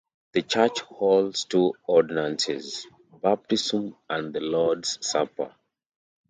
The church holds two ordinances: baptism and the Lord's supper.